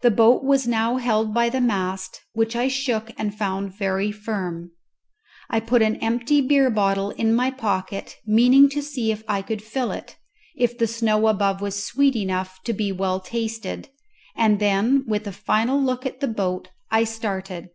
The boat was now held by the mast, which I shook and found very firm. I put an empty beer bottle in my pocket, meaning to see if I could fill it, if the snow above was sweet enough to be well tasted, and then with a final look at the boat I started.